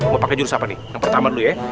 mau pakai jurus apa nih yang pertama dulu ya